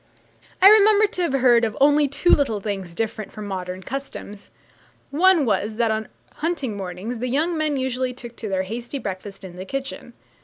I remember to have heard of only two little things different from modern customs. One was, that on hunting mornings the young men usually took their hasty breakfast in the kitchen.